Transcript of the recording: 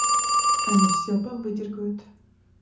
Они всё повыдергают.